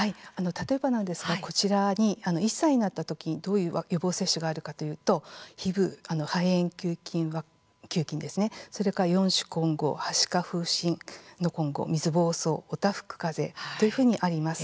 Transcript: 例えばなんですがこちらに１歳になった時どういう予防接種があるかというと、ヒブ、肺炎球菌それから四種混合はしか・風疹の混合水ぼうそう、おたふくかぜというふうにあります。